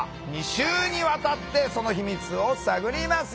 ２週にわたってその秘密を探ります。